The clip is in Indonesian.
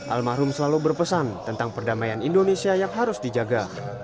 almarhum selalu berpesan tentang perdamaian indonesia yang harus dijaga